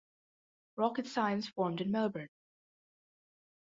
Rocket Science formed in Melbourne.